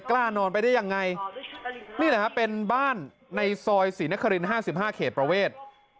นอนไปได้ยังไงนี่แหละครับเป็นบ้านในซอยศรีนคริน๕๕เขตประเวท